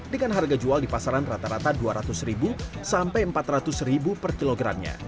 dengan harga jual di pasaran rata rata rp dua ratus sampai rp empat ratus per kilogramnya